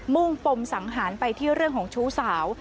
่งปมสังหารไปที่เรื่องของชู้สาว